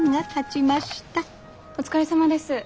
お疲れさまです。